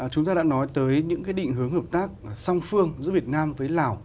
chúng ta đã nói tới những cái định hướng hợp tác song phương giữa việt nam với lào